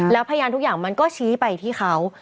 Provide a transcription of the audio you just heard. แล้วพยานทุกอย่างมันก็ชี้ไปที่เขา